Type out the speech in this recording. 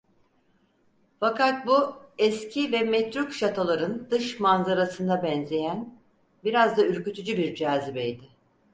Fakat bu, eski ve metruk şatoların dış manzarasına benzeyen, biraz da ürkütücü bir cazibeydi.